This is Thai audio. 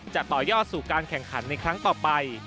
จะต่อยอดสู่การแข่งขันในครั้งต่อไป